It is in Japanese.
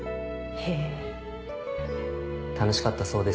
すごく楽しかったそうです